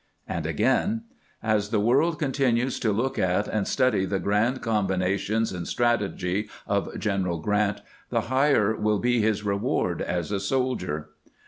And again :" As the world continues to look at and study the grand combinations and strategy of General Grant, the higher will be his reward as a soldier."